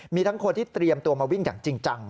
มีทั้งคนที่เตรียมตัวมาวิ่งอย่างจริงจัง